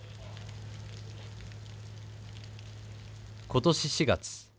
ことし４月。